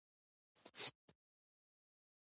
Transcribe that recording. د زړه حجرو ته اکسیجن نه رسېږي.